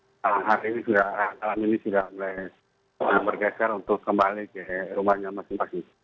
dalam hari ini sudah mulai bergeser untuk kembali ke rumahnya masing masing